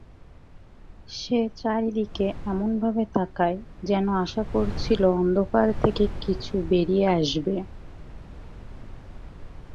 সে চারিদিকে এমনভাবে তাকায় যেন আশা করছিল অন্ধকার থেকে কিছু বেরিয়ে আসবে।